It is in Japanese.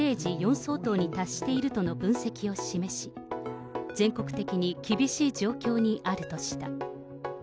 相当に達しているとの分析を示し、全国的に厳しい状況にあるとした。